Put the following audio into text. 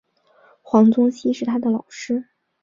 黄宗羲是他的老师。